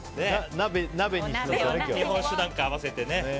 日本酒なんか合わせてね。